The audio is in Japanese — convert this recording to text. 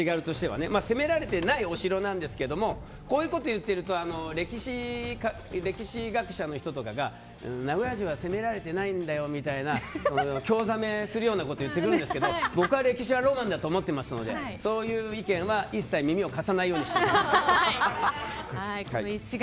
攻められていないお城ですがこういうことを言っていると歴史学者の人とかが名古屋城は攻められていないんだよって興ざめするようなことを言ってくるんですけど僕は歴史はロマンだと思っているのでそういう意見は一切耳を貸さないようにしています。